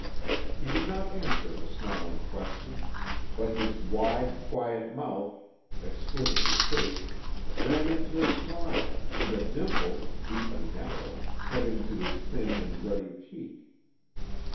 He did not answer the snarling question, but his wide, quiet mouth, exquisitely shaped, ran into a smile and a dimple, deep and narrow, cut into his thin and ruddy cheek.